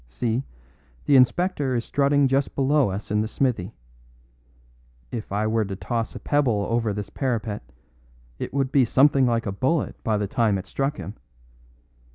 See, the inspector is strutting just below us in the smithy. If I were to toss a pebble over this parapet it would be something like a bullet by the time it struck him.